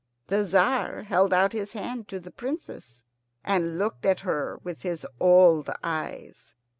The Tzar held out his hand to the Princess, and looked at her with his old eyes.